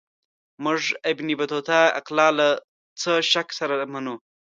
موږ ابن بطوطه اقلا له څه شک سره منو.